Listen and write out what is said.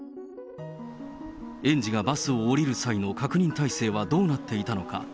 園児がバスを降りる際の確認体制はどうなっていたのか。